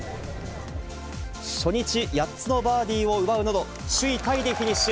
初日、８つのバーディーを奪うなど、首位タイでフィニッシュ。